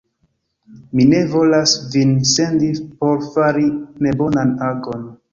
Mi ne volas vin sendi por fari nebonan agon!